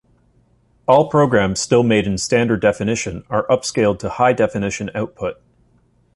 All programmes still made in standard-definition are upscaled to high-definition output.